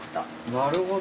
なるほど。